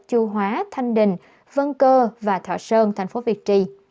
chu hóa thanh đình vân cơ và thọ sơn tp việt trì